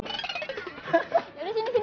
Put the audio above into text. yaudah sini sini aku pake